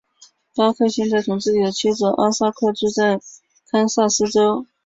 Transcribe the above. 巴克现在同自己的妻子阿塔克住在堪萨斯州。